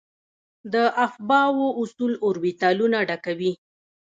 د افباؤ اصول اوربیتالونه ډکوي.